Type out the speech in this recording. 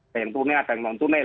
dan yang tunai ada yang non tunai